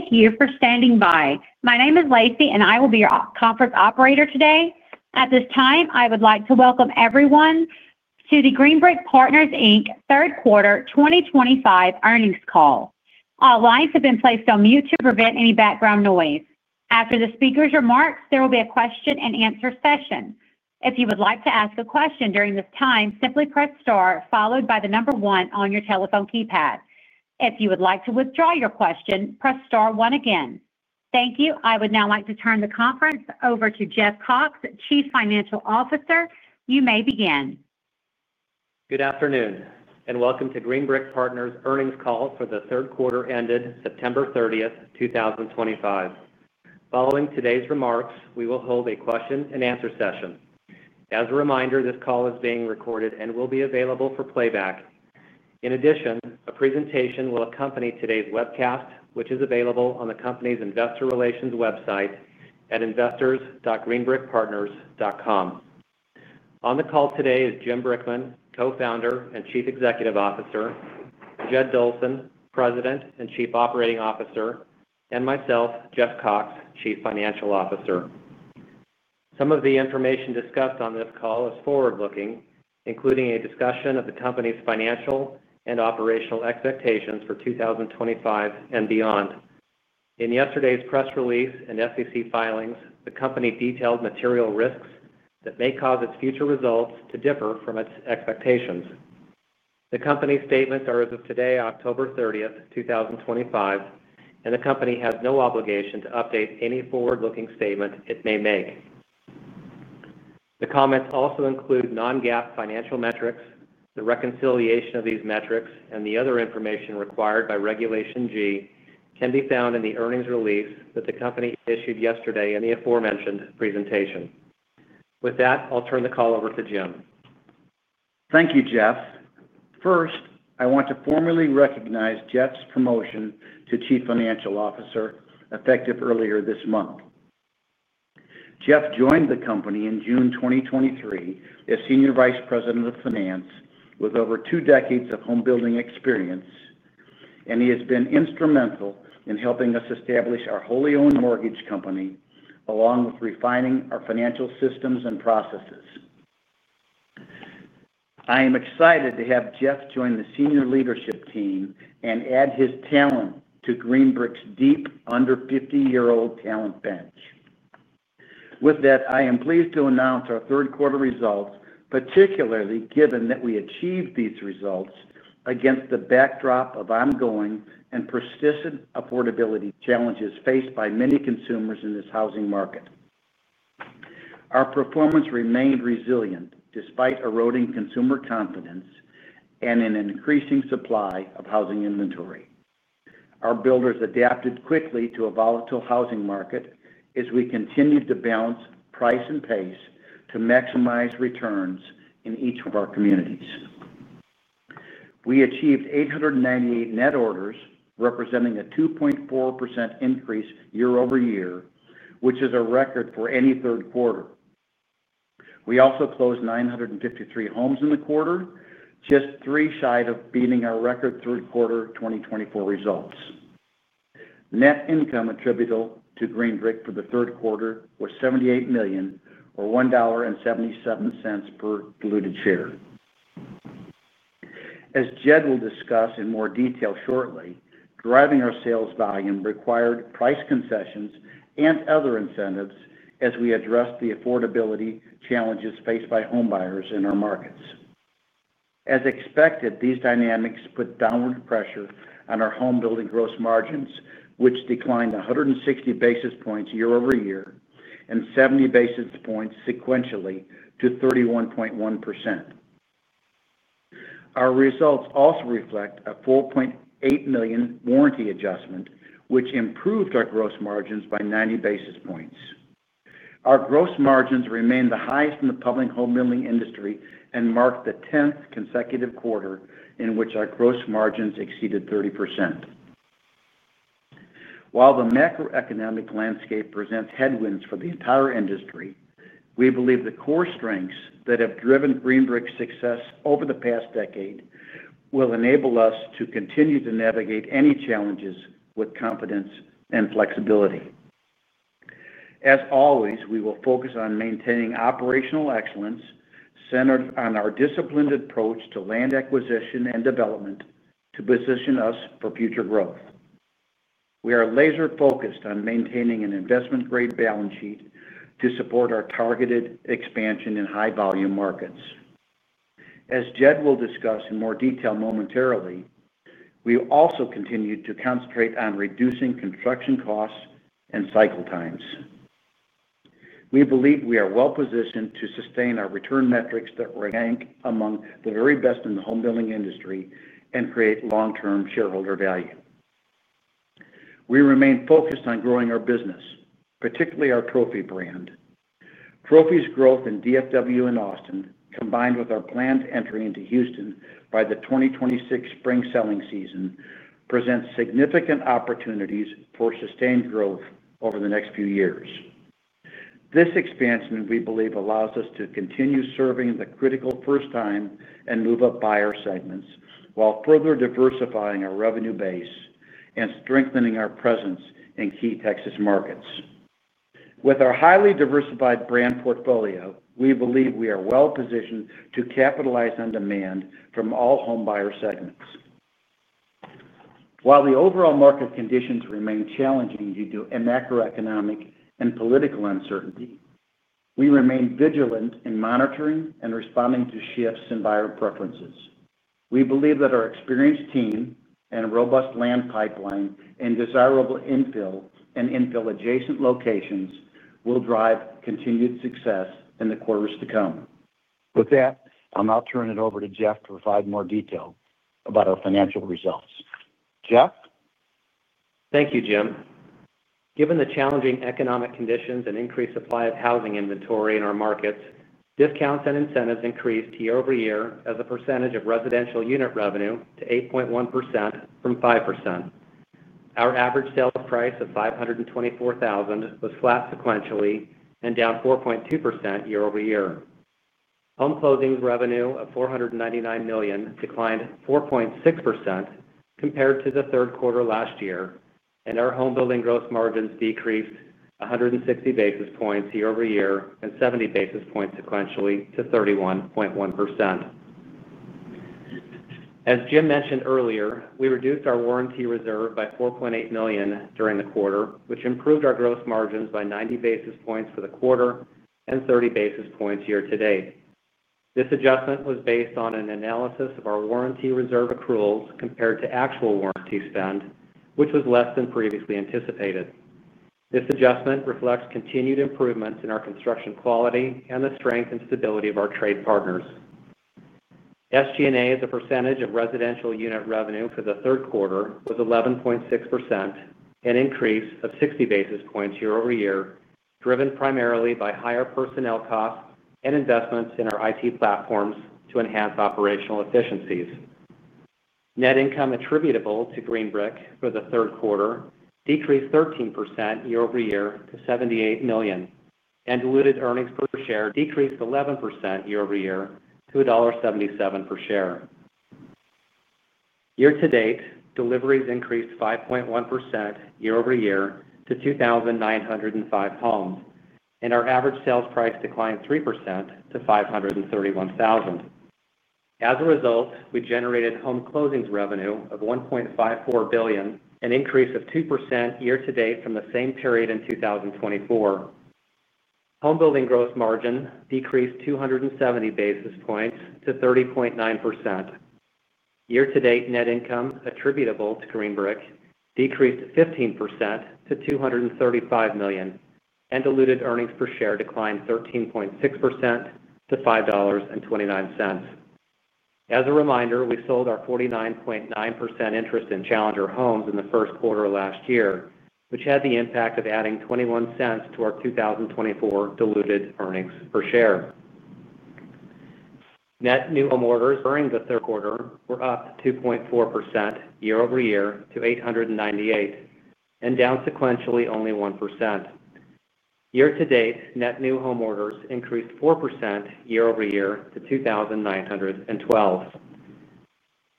Thank you for standing by. My name is Lacey and I will be your conference operator today. At this time, I would like to welcome everyone to the Green Brick Partners, Inc. third quarter 2025 earnings call. All lines have been placed on mute to prevent any background noise. After the speakers' remarks, there will be a question-and-answer session. If you would like to ask a question during this time, simply press star followed by the number one on your telephone keypad. If you would like to withdraw your question, press star one again. Thank you. I would now like to turn the conference over to Jeff Cox, Chief Financial Officer. You may begin. Good afternoon and welcome to Green Brick Partners earnings call for the third quarter ended September 30th, 2025. Following today's remarks, we will hold a question-and-answer session. As a reminder, this call is being recorded and will be available for playback. In addition, a presentation will accompany today's webcast, which is available on the Company's investor relations website at investors.greenbrickpartners.com. On the call today is Jim Brickman, Co-Founder and Chief Executive Officer, Jed Dolson, President and Chief Operating Officer, and myself, Jeff Cox, Chief Financial Officer. Some of the information discussed on this call is forward looking, including a discussion of the Company's financial and operational expectations for 2025 and beyond. In yesterday's press release and SEC filings, the Company detailed material risks that may cause its future results to differ from its expectations. The Company's statements are as of today, October 30th, 2025, and the Company has no obligation to update any forward looking statement it may make. The comments also include non-GAAP financial metrics. The reconciliation of these metrics and the other information required by Regulation G can be found in the earnings release that the Company issued yesterday and in the aforementioned presentation. With that, I'll turn the call over to Jim. Thank you, Jeff. First, I want to formally recognize Jeff's promotion to Chief Financial Officer effective earlier this month. Jeff joined the company in June 2023 as Senior Vice President of Finance with over two decades of home building experience, and he has been instrumental in helping us establish our wholly owned mortgage company along with refining our financial systems and processes. I am excited to have Jeff join the Senior Leadership team and add his talent to Green Brick's deep under 50-year-old talent bench. With that, I am pleased to announce our third quarter results. Particularly given that we achieved these results against the backdrop of ongoing and persistent affordability challenges faced by many consumers in this housing market, our performance remained resilient despite eroding consumer confidence and an increasing supply of housing inventory. Our builders adapted quickly to a volatile housing market as we continued to balance price and pace to maximize returns in each of our communities. We achieved 898 net orders, representing a 2.4% increase year-over-year, which is a record for any third quarter. We also closed 953 homes in the quarter, just three shy of beating our record third quarter 2024 results. Net income attributable to Green Brick Partners for the third quarter was $78 million or $1.77 per diluted share. As Jed will discuss in more detail shortly, driving our sales volume required price concessions and other incentives as we address the affordability challenges faced by homebuyers in our markets. As expected, these dynamics put downward pressure on our homebuilding gross margins, which declined 160 basis points year-over-year and 70 basis points sequentially to 31.1%. Our results also reflect a $4.8 million warranty reserve adjustment, which improved our gross margins by 90 basis points. Our gross margins remained the highest in the public homebuilding industry and marked the 10th consecutive quarter in which our gross margins exceeded 30%. While the macroeconomic landscape presents headwinds for the entire industry, we believe the core strengths that have driven Green Brick's success over the past decade will enable us to continue to navigate any challenges with confidence and flexibility. As always, we will focus on maintaining operational excellence centered on our disciplined approach to land acquisition and development to position us for future growth. We are laser focused on maintaining an investment grade balance sheet to support our targeted expansion in high volume markets. As Jed will discuss in more detail momentarily, we also continue to concentrate on reducing construction costs and cycle times. We believe we are well positioned to sustain our return metrics that rank among the very best in the homebuilding industry and create long-term shareholder value. We remain focused on growing our business, particularly our Trophy brand. Trophy's growth in DFW and Austin combined with our planned entry into Houston by the 2026 spring selling season presents significant opportunities for sustained growth over the next few years. This expansion, we believe, allows us to continue serving the critical first time and move up buyer segments while further diversifying our revenue base and strengthening our presence in key Texas markets. With our highly diversified brand portfolio, we believe we are well positioned to capitalize on demand from all homebuyer segments. While the overall market conditions remain challenging due to macroeconomic and political uncertainty, we remain vigilant in monitoring and responding to shifts in buyer preferences. We believe that our experienced team and robust lot pipeline and desirable infill and infill adjacent locations will drive continued success in the quarters to come. With that, I'll now turn it over to Jeff to provide more detail about our financial results. Jeff. Thank you, Jim. Given the challenging economic conditions and increased supply of housing inventory in our markets, discounts and incentives increased year-over-year as a percentage of residential unit revenue to 8.1% from 5%. Our average sales price of $524,000 was flat sequentially and down 4.2% year-over-year. Home closings revenue of $499 million declined 4.6% compared to the third quarter last year, and our home building gross margins decreased 160 basis points year-over-year and 70 basis points sequentially to 31.1%. As Jim mentioned earlier, we reduced our warranty reserve by $4.8 million during the quarter, which improved our gross margins by 90 basis points for the quarter and 30 basis points year-to-date. This adjustment was based on an analysis of our warranty reserve accruals compared to actual warranty spend, which was less than previously anticipated. This adjustment reflects continued improvements in our construction quality and the strength and stability of our trade partners. SG&A as a percentage of residential unit revenue for the third quarter was 11.6%, an increase of 60 basis points year-over-year, driven primarily by higher personnel costs and investments in our IT platforms to enhance operational efficiencies. Net income attributable to Green Brick for the third quarter decreased 13% year-over-year to $78 million, and diluted earnings per share decreased 11% year-over-year to $1.77 per share. Year-to-date, deliveries increased 5.1% year-over-year to 2,905 homes, and our average sales price declined 3% to $531,000. As a result, we generated home closings revenue of $1.54 billion, an increase of 2% year-to-date from the same period in 2024. Home building gross margin decreased 270 basis points to 30.9% year-to-date. Net income attributable to Green Brick decreased 15% to $235 million and diluted earnings per share declined 13.6% to $5.29. As a reminder, we sold our 49.9% interest in Challenger Homes in the first quarter last year, which had the impact of adding $0.21 to our 2024 diluted earnings per share. Net new home orders during the third quarter were up 2.4% year-over-year to 898 and down sequentially only 1%. year-to-date, net new home orders increased 4% year-over-year to 2,912.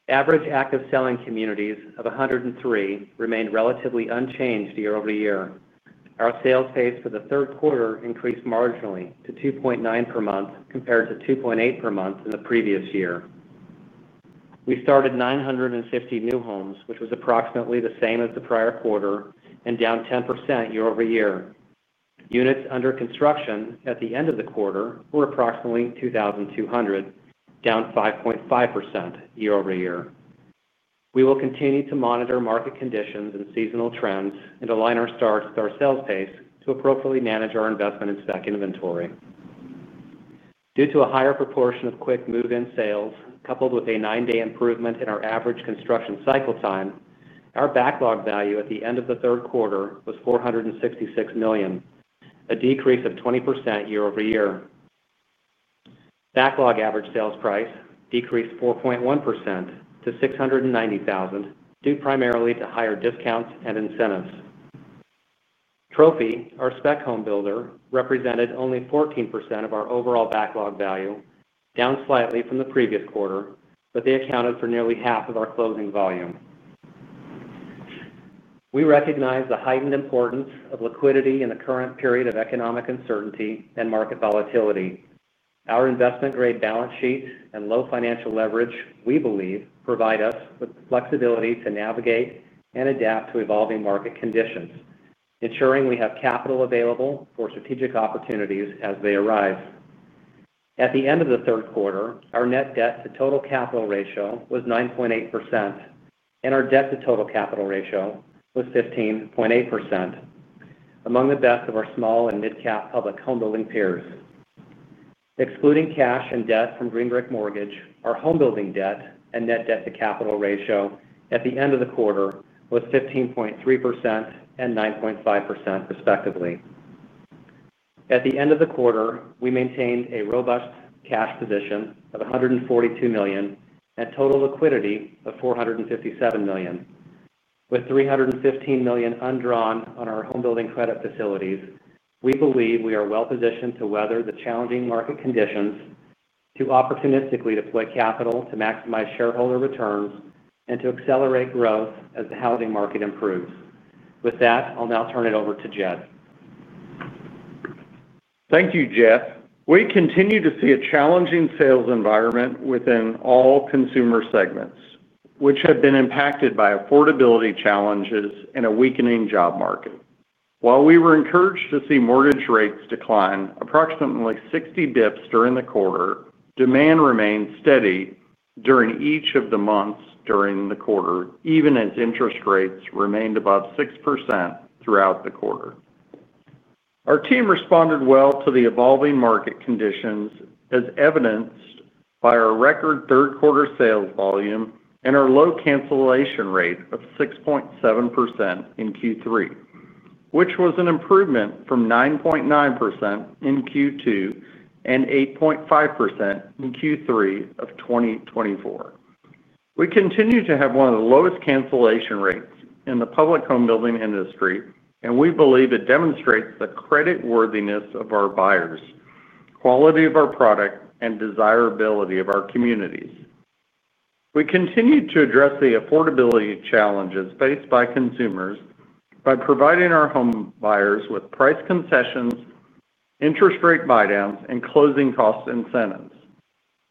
Average active selling communities of 103 remained relatively unchanged year-over-year. Our sales pace for the third quarter increased marginally to 2.9 per month compared to 2.8 per month in the previous year. We started 950 new homes, which was approximately the same as the prior quarter and down 10% year-over-year. Units under construction at the end of the quarter were approximately 2,200, down 5.5% year-over-year. We will continue to monitor market conditions and seasonal trends and align our starts with our sales pace to appropriately manage our investment in spec inventory. Due to a higher proportion of quick move-in sales coupled with a nine-day improvement in our average construction cycle time, our backlog value at the end of the third quarter was $466 million, a decrease of 20% year-over-year. Backlog average sales price decreased 4.1% to $690,000 due primarily to higher discounts and incentives. Trophy, our spec home builder, represented only 14% of our overall backlog value, down slightly from the previous quarter, but they accounted for nearly half of our closing volume. We recognize the heightened importance of liquidity in the current period of economic uncertainty and market volatility. Our investment grade balance sheet and low financial leverage, we believe, provide us with flexibility to navigate and adapt to evolving market conditions, ensuring we have capital available for strategic opportunities as they arise. At the end of the third quarter, our net debt to total capital ratio was 9.8% and our debt to total capital ratio was 15.8%, among the best of our small and mid-cap public home building peers. Excluding cash and debt from Green Brick Mortgage, our home building debt and net debt to capital ratio at the end of the quarter was 15.3% and 9.5%, respectively. At the end of the quarter, we maintained a robust cash position of $142 million and total liquidity of $457 million. With $315 million undrawn on our homebuilding credit facilities, we believe we are well positioned to weather the challenging market conditions, to opportunistically deploy capital to maximize shareholder returns, and to accelerate growth as the housing market improves. With that, I'll now turn it over to Jed. Thank you, Jeff. We continue to see a challenging sales environment within all consumer segments, which have been impacted by affordability challenges and a weakening job market. While we were encouraged to see mortgage rates decline approximately 60 basis points during the quarter, demand remained steady during each of the months during the quarter, even as interest rates remained above 6% throughout the quarter. Our team responded well to the evolving market conditions, as evidenced by our record third quarter sales volume and our low cancellation rate of 6.7% in Q3, which was an improvement from 9.9% in Q2 and 8.5% in Q3 of 2024. We continue to have one of the lowest cancellation rates in the public homebuilding industry, and we believe it demonstrates the creditworthiness of our buyers, quality of our product, and desirability of our communities. We continue to address the affordability challenges faced by consumers by providing our home buyers with price concessions, interest rate buydowns, and closing cost incentives.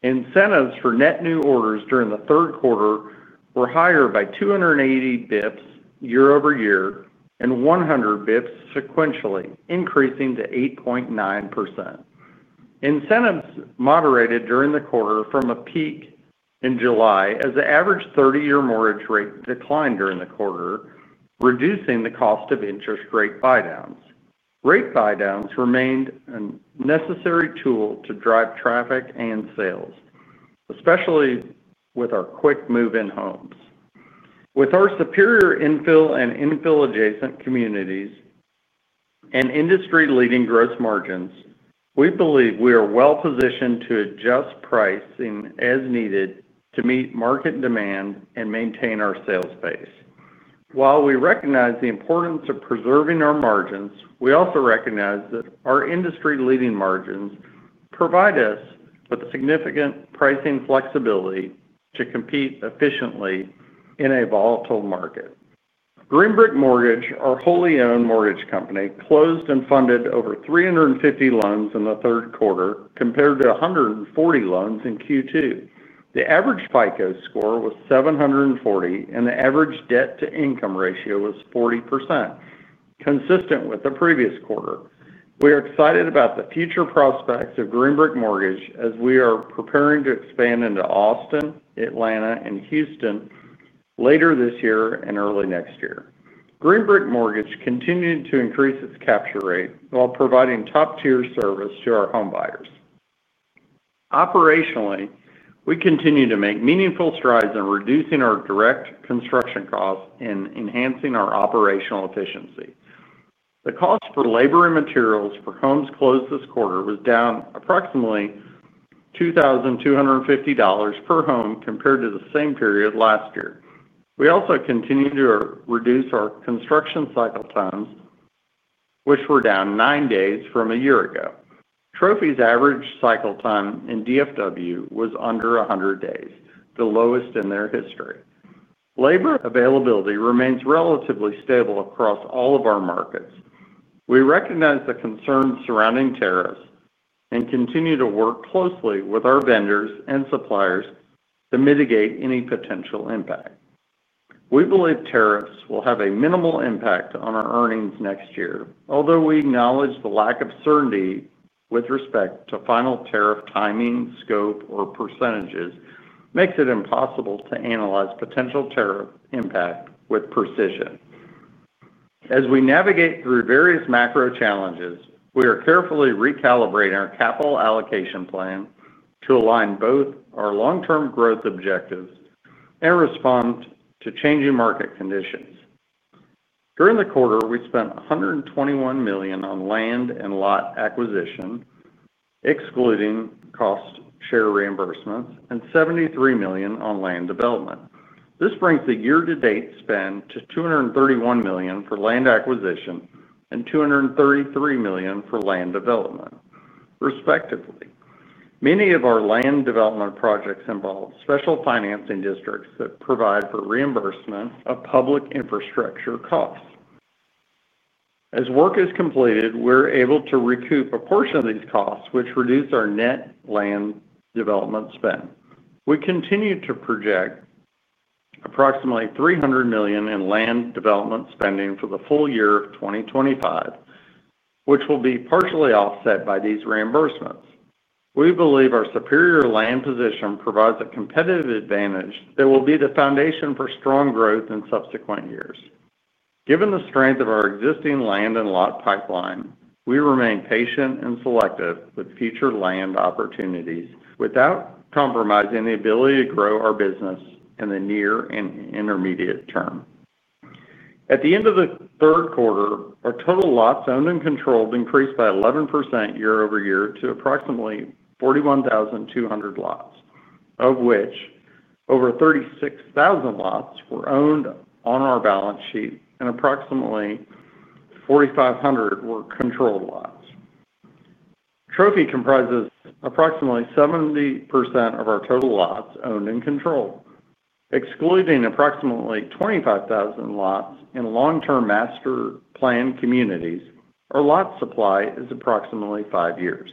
Incentives for net new orders during the third quarter were higher by 280 bps year-over-year and 100 bps sequentially, increasing to 8.9%. Incentives moderated during the quarter from a peak in July as the average 30-year mortgage rate declined during the quarter, reducing the cost of interest rate buydowns. Rate buydowns remained a necessary tool to drive traffic and sales, especially with our quick move-in homes. With our superior infill and infill-adjacent communities and industry-leading gross margins, we believe we are well positioned to adjust pricing as needed to meet market demand and maintain our sales base. While we recognize the importance of preserving our margins, we also recognize that our industry-leading margins provide us with significant pricing flexibility to compete efficiently in a volatile market. Green Brick Mortgage, our wholly owned mortgage company, closed and funded over 350 loans in the third quarter compared to 140 loans in Q2. The average FICO score was 740 and the average debt-to-income ratio was 40%, consistent with the previous quarter. We are excited about the future prospects of Green Brick Mortgage as we are preparing to expand into Austin, Atlanta, and Houston later this year and early next year. Green Brick Mortgage continued to increase its capture rate while providing top-tier service to our home buyers. Operationally, we continue to make meaningful strides in reducing our direct construction costs and enhancing our operational efficiency. The cost for labor and materials for homes closed this quarter was down approximately $2,250 per home compared to the same period last year. We also continue to reduce our construction cycle times, which were down nine days from a year ago. Trophy's average cycle time in DFW was under 100 days, the lowest in their history. Labor availability remains relatively stable across all of our markets. We recognize the concerns surrounding tariffs and continue to work closely with our vendors and suppliers to mitigate any potential impact. We believe tariffs will have a minimal impact on our earnings next year, although we acknowledge the lack of certainty with respect to final tariff timing, scope, or percentages makes it impossible to analyze potential tariff impact with precision. As we navigate through various macro challenges, we are carefully recalibrating our capital allocation plan to align both our long-term growth objectives and respond to changing market conditions. During the quarter, we spent $121 million on land and lot acquisition, excluding cost share reimbursements, and $73 million on land development. This brings the year-to-date spend to $231 million for land acquisition and $233 million for land development, respectively. Many of our land development projects involve special financing districts that provide for reimbursement of public infrastructure costs. As work is completed, we're able to recoup a portion of these costs, which reduce our net land development spend. We continue to project approximately $300 million in land development spending for the full year 2025, which will be partially offset by these reimbursements. We believe our superior land position provides a competitive advantage that will be the foundation for strong growth in subsequent years. Given the strength of our existing land and lot pipeline, we remain patient and selective with future land opportunities without compromising the ability to grow our business in the near and intermediate term. At the end of the third quarter, our total lots owned and controlled increased by 11% year-over-year to approximately 41,200 lots, of which over 36,000 lots were owned on our balance sheet and approximately 4,500 were controlled lots. Trophy comprises approximately 70% of our total lots owned and controlled, excluding approximately 25,000 lots in long-term master-planned communities. Our lot supply is approximately five years.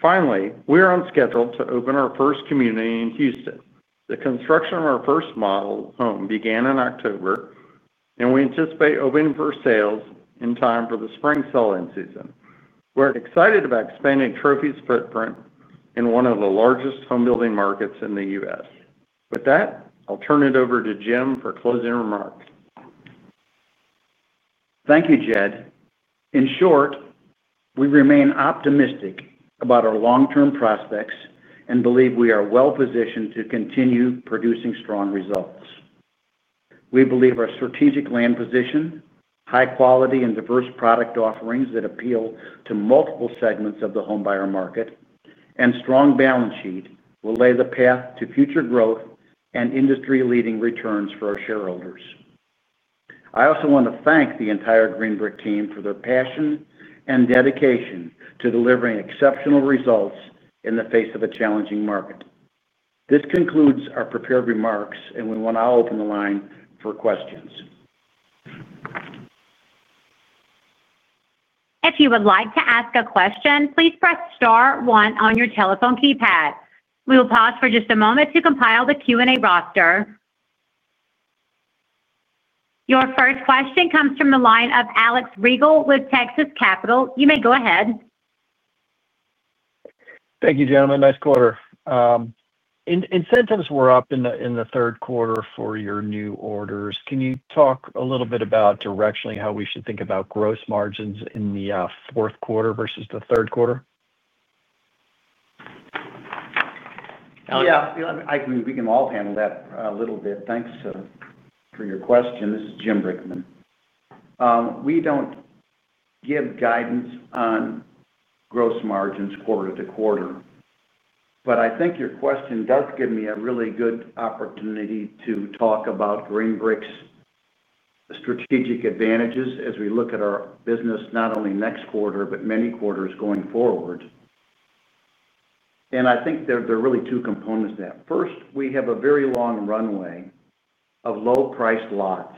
Finally, we are on schedule to open our first community in Houston. The construction of our first model home began in October, and we anticipate opening for sales in time for the spring selling season. We're excited about expanding Trophy's footprint in one of the largest homebuilding markets in the U.S. With that, I'll turn it over to Jim for closing remarks. Thank you, Jed. In short, we remain optimistic about our long-term prospects and believe we are well positioned to continue producing strong results. We believe our strategic land position, high quality and diverse product offerings that appeal to multiple segments of the homebuyer market, and strong balance sheet will lay the path to future growth and industry-leading returns for our shareholders. I also want to thank the entire Green Brick team for their passion and dedication to delivering exceptional results in the face of a challenging market. This concludes our prepared remarks, and we will now open the line for questions. If you would like to ask a question, please press star one on your telephone keypad. We will pause for just a moment to compile the Q&A roster. Your first question comes from the line of Alex Rygiel with Texas Capital. You may go ahead. Thank you, gentlemen nice quarter. Incentives were up in the third quarter for your new orders. Can you talk a little bit about directionally how we should think about gross margins in the fourth quarter versus the third quarter? Thanks for your question. This is Jim Brickman. We don't give guidance on gross margins quarter-to-quarter, but I think your question does give me a really good opportunity to talk about Green Brick's strategic advantages as we look at our business, not only next quarter but many quarters going forward. I think there are really two components. First, we have a very long runway of low-priced lots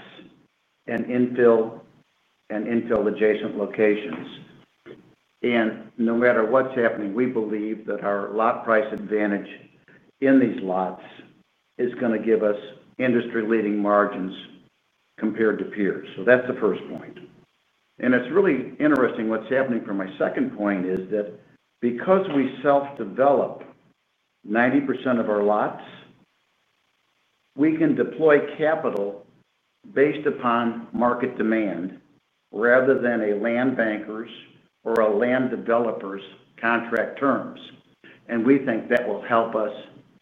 in infill and infill-adjacent locations. No matter what's happening, we believe that our lot price advantage in these lots is going to give us industry-leading margins compared to peers. That's the first point. It's really interesting what's happening from my second point, which is that because we self-develop 90% of our lots, we can deploy capital based upon market demand rather than a land banker's or a land developer's contract terms. We think that will help us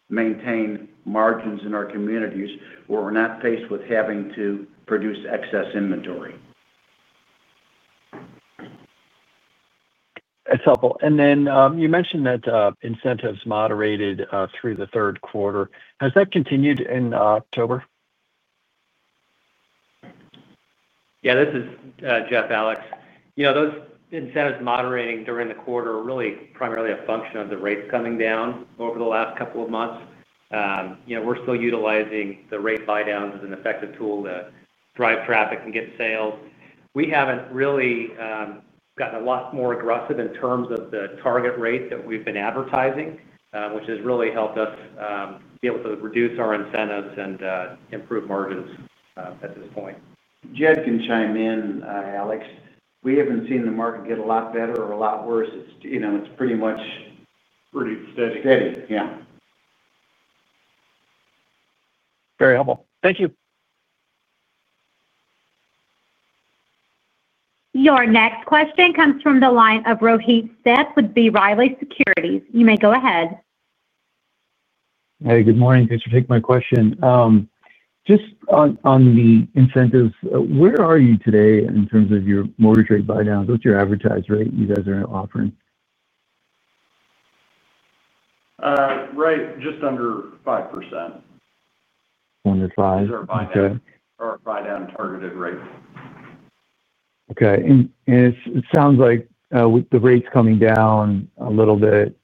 maintain margins in our communities where we're not faced with having to produce excess inventory. That's helpful. You mentioned that incentives moderated through the third quarter, has that continued in October? Yeah. This is Jeff. Alex, you know those incentives moderating during the quarter were really primarily a function of the rates coming down over the last couple of months. We're still utilizing the rate buy downs as an effective tool to drive traffic and get sales. We haven't really gotten a lot more aggressive in terms of the target rate that we've been advertising, which has really helped us be able to reduce our incentives and improve margins at this point. Jed can chime in. Alex, we haven't seen the market get a lot better or a lot worse, you know, it's pretty much steady. Yeah. Very helpful, thank you. Your next question comes from the line of Rohit Seth with B. Riley Securities. You may go ahead. Hey, good morning. Thanks for taking my question. Just on the incentives, where are you today in terms of your mortgage rate buy-downs? What's your advertised rate you guys are offering? Right? Just under 5%. Under 5? Or buy down targeted rate. Okay, it sounds like the rate's coming down a little bit.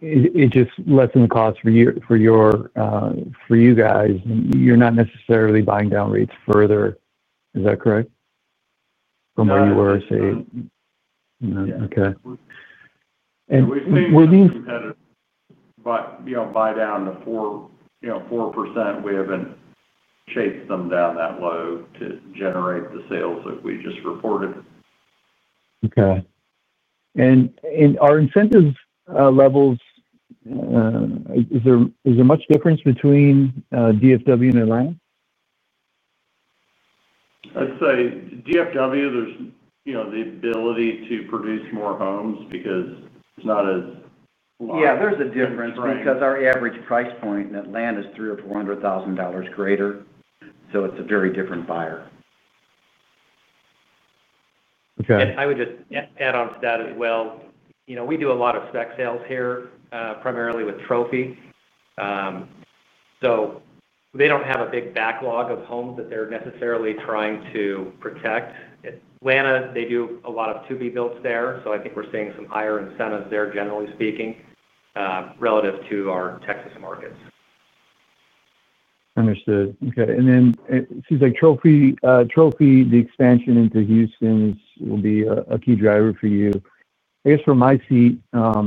It just lessens the cost for you, for you guys, you're not necessarily buying down rates further, is that correct? From where you were, say. Okay. We have seen buy down to 4%, you know, 4%. We haven't chased them down that low to generate the sales that we just reported. Okay. In our incentive levels, is there much difference between DFW and Atlanta? I'd say DFW, there's the ability to produce more homes because it's not as. Yeah, there's a difference because our average price point in Atlanta is $300,000 or $400,000 greater. It's a very different buyer. I would just add on to that as well. You know, we do a lot of spec sales here primarily with Trophy, so they don't have a big backlog of homes that they're necessarily trying to protect. Atlanta, they do a lot of to be built there. I think we're seeing some higher incentives there, generally speaking, relative to our Texas markets. Understood. Okay. It seems like Trophy, the expansion into Houston will be a key driver for you. I guess from my seat,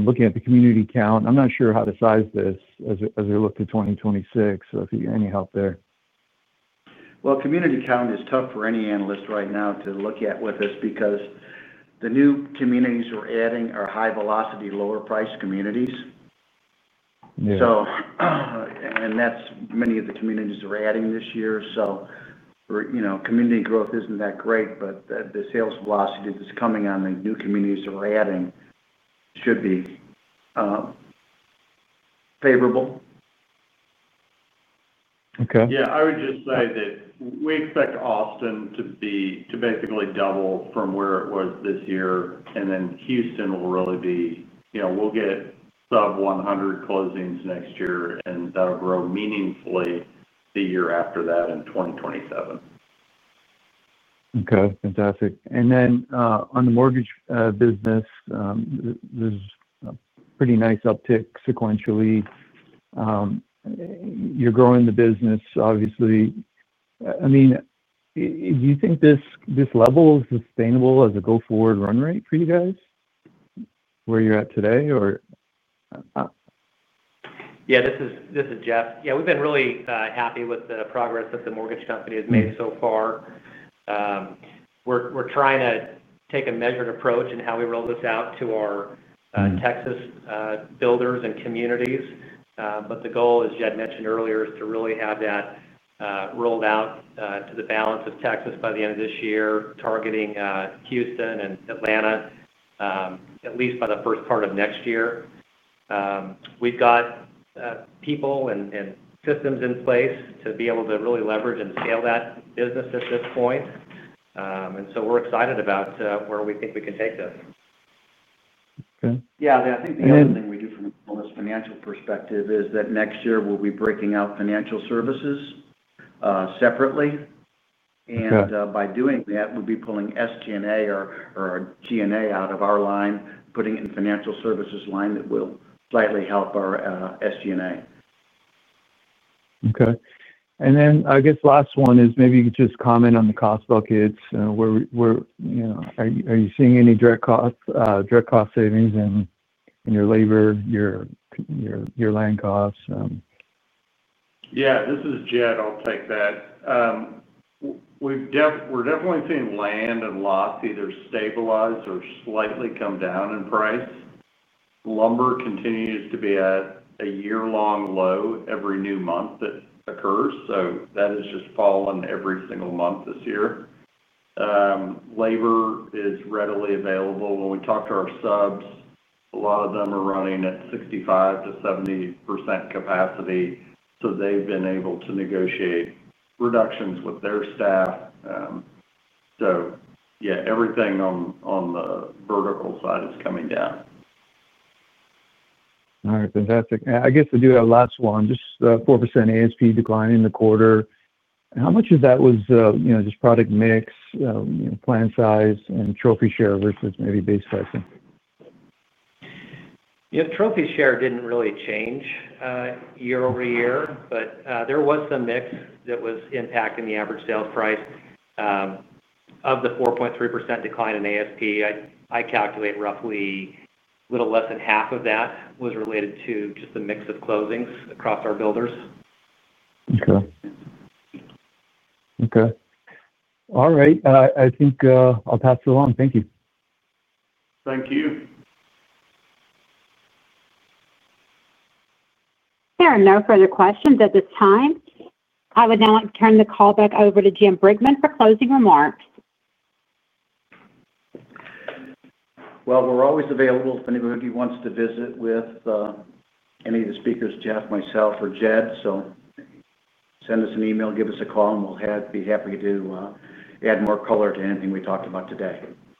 looking at the community count, I'm not sure how to size this as we look to 2026. If you get any help there. Community count is tough for any analyst right now to look at with us because the new communities we're adding are high velocity, lower priced communities. Many of the communities are adding this year. Community growth isn't that great, but the sales velocity that's coming on the new communities that we're adding should be favorable. Okay. Yeah. I would just say that we expect Austin to basically double from where it was this year. Houston will really be, you know, we'll get sub-100 closings next year and that'll grow meaningfully the year after that in 2027. Okay, fantastic. On the mortgage business, there's a pretty nice uptick. Sequentially you're growing the business, obviously. Do you think this level is sustainable as a go forward run rate for you guys, where you're at today? Yeah, this is Jeff. We've been really happy with the progress that the mortgage company has made so far. We're trying to take a measured approach in how we roll this out to our Texas builders and communities. The goal, as Jed mentioned earlier, is to really have that rolled out to the balance of Texas by the end of this year, targeting Houston and Atlanta at least by the first part of next year. We've got people and systems in place to be able to really leverage and scale that business at this point. We're excited about where we think we can take this. I think the other thing we do from this financial perspective is that next year we'll be breaking out financial services separately. By doing that we'll be pulling SG&A out of our line, putting it in financial services line. That will slightly help our SG&A. Okay. I guess last one is maybe you could just comment on the cost buckets. Are you seeing any direct cost, direct cost savings in your labor, your land costs? Yeah, this is Jed. I'll take that. We're definitely seeing land and lots either stabilize or slightly come down in price. Lumber continues to be at a year-long low every new month that occurs. That has just fallen every single month this year. Labor is readily available. When we talk to our subcontractors, a lot of them are running at 65%-70% capacity. They've been able to negotiate reductions with their staff. Everything on the vertical side is coming down. All right, fantastic. I guess I do have last one. Just 4% ASP decline in the quarter. How much of that was just product mix, plan size and Trophy share versus maybe base pricing? Trophy share didn't really change year-over-year, but there was some mix that was impacting the average sales price of the 4.3% decline in ASP, I calculate roughly a little less than half of that was related to just the mix of closings across our builders. Okay. All right,I think I'll pass it along. Thank you. Thank you. There are no further questions at this time. I would now like to turn the call back over to Jim Brickman for closing remarks. We are always available if anybody wants to visit with any of the speakers, Jeff, myself or Jed. Send us an email, give us a call, and we'll be happy to add more color to anything we talked about today.